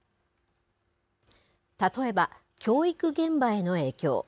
例えば、教育現場への影響。